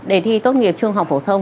đề thi tốt nghiệp trường học phổ thông